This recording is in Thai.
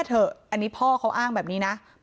คำให้การในกอล์ฟนี่คือคำให้การในกอล์ฟนี่คือ